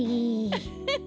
ウッフフ。